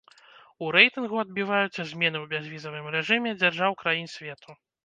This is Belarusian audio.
У рэйтынгу адбіваюцца змены ў бязвізавым рэжыме дзяржаў краін свету.